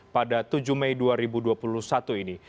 pada tujuh mei dua ribu dua puluh satu ini